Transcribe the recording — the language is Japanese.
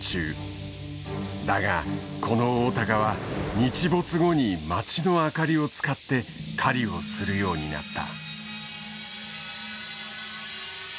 だがこのオオタカは日没後に街の明かりを使って狩りをするようになった。